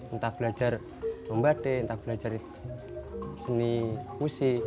entah belajar membatik entah belajar seni musik